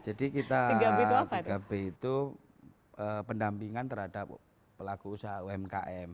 jadi kita tiga b itu pendampingan terhadap pelaku usaha umkm